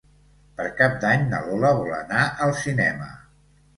Per Cap d'Any na Lola vol anar al cinema.